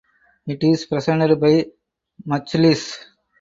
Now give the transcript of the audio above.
It is presented by Majlis.